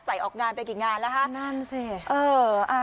ใส่ออกงานไปกี่งานแล้วคะ